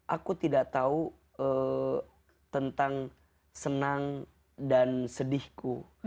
aku tidak tahu tentang senang dan sedihku